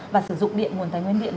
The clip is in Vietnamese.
và sử dụng điện nguồn tài nguyên điện